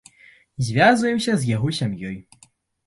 Звязваемся з яго сям'ёй.